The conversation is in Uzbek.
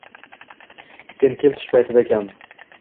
Sen kel tush paytida ham